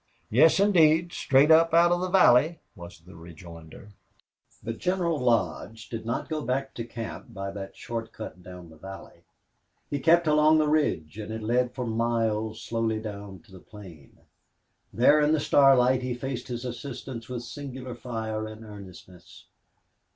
"Yes, indeed, straight up out of the valley," was the rejoinder. But General Lodge did not go back to camp by this short cut down the valley. He kept along the ridge, and it led for miles slowly down to the plain. There in the starlight he faced his assistants with singular fire and earnestness.